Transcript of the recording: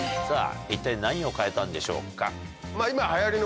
さぁ一体何を変えたんでしょうか？